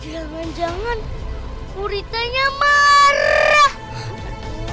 jangan jangan guritanya marah